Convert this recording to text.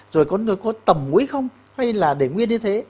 rồi có người có tầm mũi không hay là để nguyên như thế